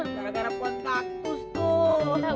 merah merah potrakus tuh